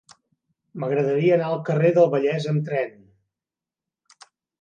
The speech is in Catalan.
M'agradaria anar al carrer del Vallès amb tren.